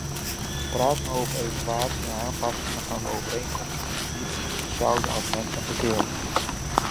Praten over evaluatie en aanpassing van de overeenkomsten is niet hetzelfde als mensen bekeren.